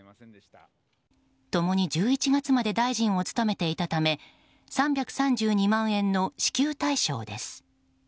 共に１１月まで大臣を務めていたため３３２万円の支給対象です。